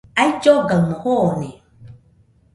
Aullogaɨmo joone.